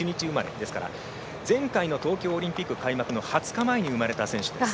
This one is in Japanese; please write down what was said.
ですから前回の東京オリンピック開幕の２０日前に生まれた選手です。